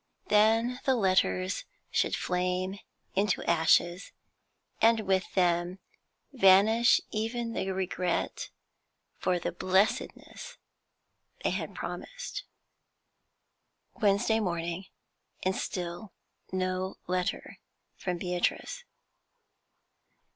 Then the letters should flame into ashes, and with them vanish even the regret for the blessedness they had promised. Wednesday morning, and still no letter from Beatrice.